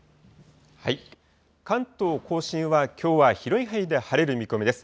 関東甲信はきょうは広い範囲で晴れる見込みです。